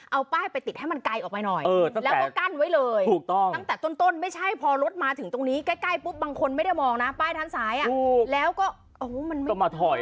เอาป้ายไปติดให้มันไกลออกไปหน่อย